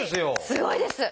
すごいです！